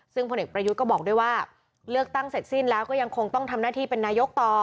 ซึ่งผลเอกประยุทธ์ก็บอกด้วยว่าเลือกตั้งเสร็จสิ้นแล้วก็ยังคงต้องทำหน้าที่เป็นนายกต่อ